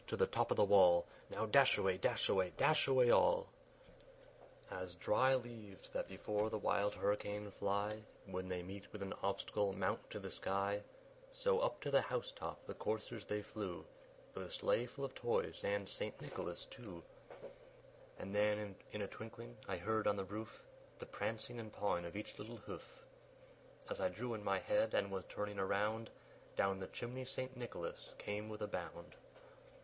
to the top of the wall! Now dash away! dash away! dash away all!" As dry leaves that before the wild hurricane fly, When they meet with an obstacle, mount to the sky; So up to the house top the coursers they flew, With the sleigh full of Toys, and St. Nicholas too. And then, in a twinkling, I heard on the roof The prancing and pawing of each little hoof. As I drew in my head, and was turning around, Down the chimney St. Nicholas came with a bound.